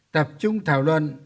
tập trung thảo luận